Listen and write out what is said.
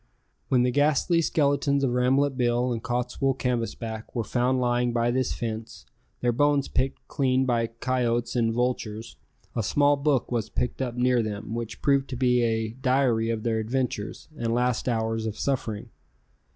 When the ghastly skeletons of Rambolet Bill and Cottswool Canvasback were found lying by this fence, their bones picked clean by coyotes and vultures, a small book was picked up near them which proved to be a diary of their adventures and last hours of suffering.